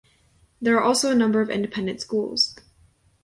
There are also a number of independent schools.